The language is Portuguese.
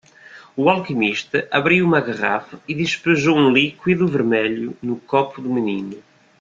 O alquimista abriu uma garrafa e despejou um líquido vermelho no copo do menino.